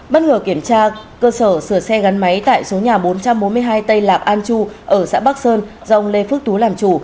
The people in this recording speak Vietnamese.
bất ngờ kiểm tra cơ sở sửa xe gắn máy tại số nhà bốn trăm bốn mươi hai tây lạc an chu ở xã bắc sơn do ông lê phước tú làm chủ